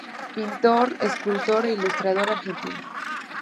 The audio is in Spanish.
Pintor, escultor e ilustrador argentino.